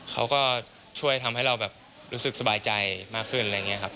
เขาก็ช่วยทำให้เรารู้สึกสบายใจมากขึ้น